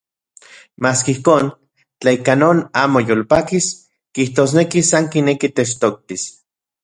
Maski ijkon, tla ika non amo yolpakis, kijtosneki san kineki techtoktis.